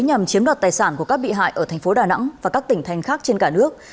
nhằm chiếm đoạt tài sản của các bị hại ở thành phố đà nẵng và các tỉnh thành khác trên cả nước